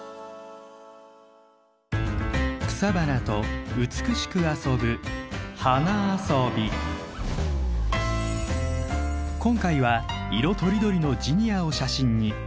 草花と美しく遊ぶ今回は色とりどりのジニアを写真に。